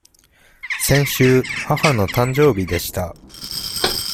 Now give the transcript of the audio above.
先週、母の誕生日でした。